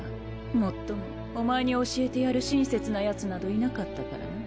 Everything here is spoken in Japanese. もっともおまえに教えてやる親切なやつなどいなかったからな。